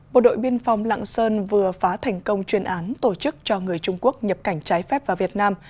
bộ đội biên phòng lạng sơn vừa phá thành công chuyên án tổ chức cho người trung quốc nhập cảnh trái phép vào việt nam